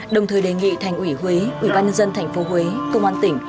đồng thời đề nghị thành ủy huế ủy ban nhân dân tp huế công an tỉnh